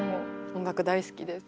音楽大好きです。